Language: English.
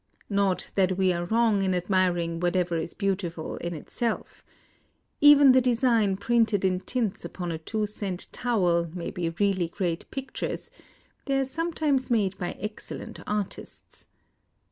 Not that we are wrong in ad miring whatever is beautiful in itself. Even the designs printed in tints upon a two cent towel may be really great pictures : they are some times made by excellent artists.